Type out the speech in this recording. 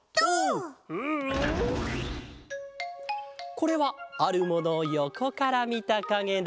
これはあるものをよこからみたかげだ。